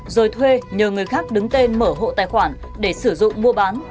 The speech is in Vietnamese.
rồi thuê nhờ người khác đứng tên mở hộ tài khoản để sử dụng mua bán